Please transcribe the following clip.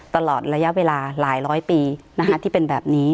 ตลอดระยะเวลาหลายร้อยปีที่เป็นแบบนี้